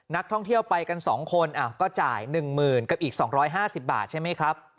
นักท่องเที่ยวไปกัน๒คนก็จ่าย๑๐๐๐กับอีก๒๕๐บาทใช่ไหมครับ